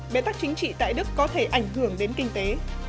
bế tắc chính trị tại đức có thể ảnh hưởng đến kinh tế